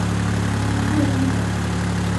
আপনি এখানে কেন?